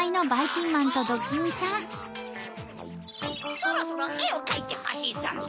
そろそろえをかいてほしいざんす。